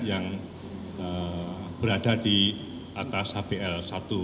yang berada di atas hbl satu